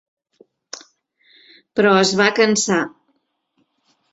Però es va cansar.